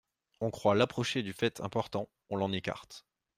On croit l'approcher du fait important, on l'en écarte.